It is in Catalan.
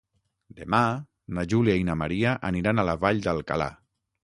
Demà na Júlia i na Maria aniran a la Vall d'Alcalà.